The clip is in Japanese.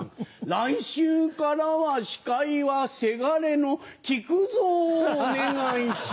来週からは司会はせがれの木久蔵をお願いします。